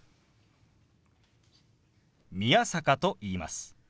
宮坂と言います。